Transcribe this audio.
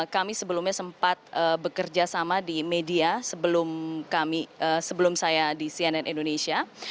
kami sebelumnya sempat bekerja sama di media sebelum saya di cnn indonesia